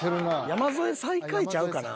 山添最下位ちゃうかな。